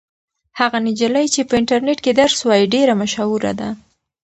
هغه نجلۍ چې په انټرنيټ کې درس وایي ډېره مشهوره ده.